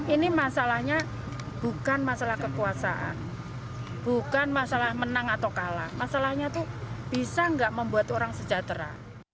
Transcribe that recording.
ini masalahnya bukan masalah kekuasaan bukan masalah menang atau kalah masalahnya itu bisa nggak membuat orang sejahtera